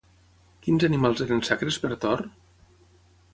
Quins animals eren sacres per Thor?